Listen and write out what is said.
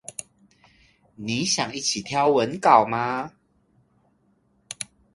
你想一起挑文稿嗎